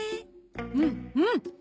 うんうん！